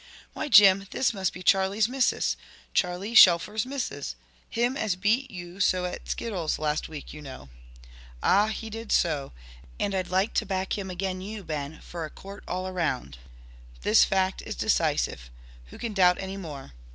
"Why, Jim, this must be Charley's missus; Charley Shelfer's missus! Him as beat you so at skittles last week, you know." "Ah, he did so. And I'd like to back him again you, Ben, for a quart all round." This fact is decisive. Who can doubt any more?